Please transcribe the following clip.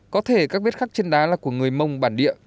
có thể các vết khắc trên đá là của người mông bản địa